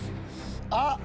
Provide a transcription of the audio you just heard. あっ！